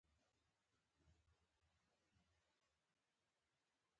• د مرغیو چغې ته غوږ شه او آرام کښېنه.